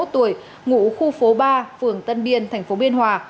ba mươi một tuổi ngũ khu phố ba phường tân biên thành phố biên hòa